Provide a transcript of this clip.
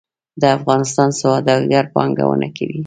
د افغانستان سوداګر پانګونه کوي